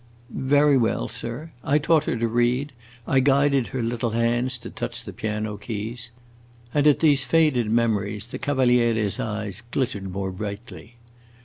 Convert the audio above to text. "Very well, sir, I taught her to read; I guided her little hands to touch the piano keys." And at these faded memories, the Cavaliere's eyes glittered more brightly.